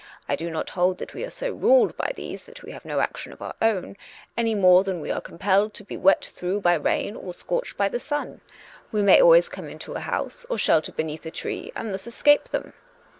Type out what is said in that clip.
I do not hold that we are so ruled by these that we have no action of our own, any more than we are compelled to be wet through by rain or scorched by the sun: we may always come into a house or shelter beneath a tree, and thus escape them.